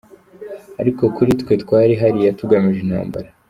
Ariko kuri twe twari hariya tugamije intambara.